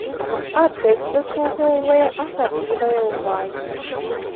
А тэкст заслугоўвае асаблівае ўвагі.